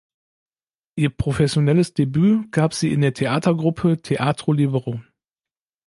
Ihr professionelles Debüt gab sie in der Theatergruppe "Teatro Libero".